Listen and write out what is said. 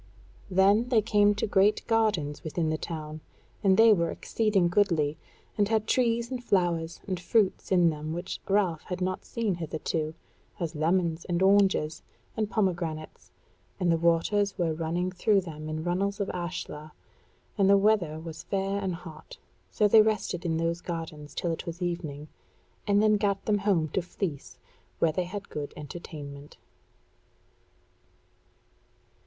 Then they came to great gardens within the town, and they were exceeding goodly, and had trees and flowers and fruits in them which Ralph had not seen hitherto, as lemons, and oranges, and pomegranates; and the waters were running through them in runnels of ashlar; and the weather was fair and hot; so they rested in those gardens till it was evening, and then gat them home to Fleece, where they had good entertainment.